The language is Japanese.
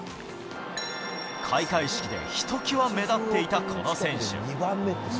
開会式でひときわ目立っていた、この選手。